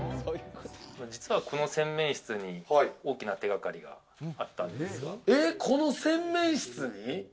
実は、この洗面室に大きな手掛かりがあったんですが。